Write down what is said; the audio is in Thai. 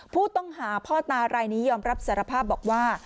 ผู้ต้องหาพ่อตารายนี้ยอมรับสารภาพบอกว่า